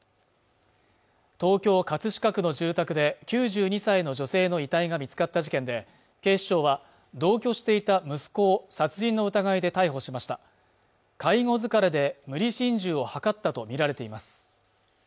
東京・葛飾区の住宅で９２歳の女性の遺体が見つかった事件で警視庁は同居していた息子を殺人の疑いで逮捕しました介護疲れで無理心中を図ったとみられています